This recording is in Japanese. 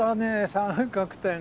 三角点が。